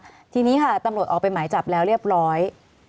ใช่ไหมคะทีนี้ตำรวจออกไปหมายจับแล้วเรียบร้อย